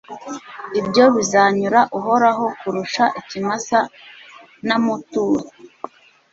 ibyo bizanyura uhoraho, kurusha ikimasa namutura